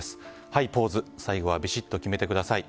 はい、ポーズ最後はビシッと決めてください。